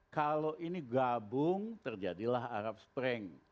kalau ini gabung terjadilah arab spring